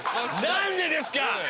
何でですか！